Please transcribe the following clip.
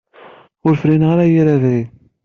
Ur frineɣ ara yir abrid.